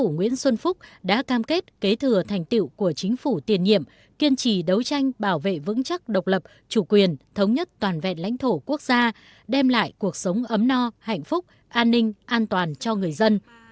nguyễn xuân phúc đã cam kết kế thừa thành tiệu của chính phủ tiền nhiệm kiên trì đấu tranh bảo vệ vững chắc độc lập chủ quyền thống nhất toàn vẹn lãnh thổ quốc gia đem lại cuộc sống ấm no hạnh phúc an ninh an toàn cho người dân